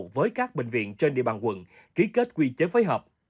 với các bệnh viện trên địa bàn quận ký kết quy chế phối hợp